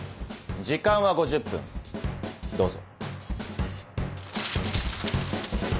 時間は５０分どうぞ。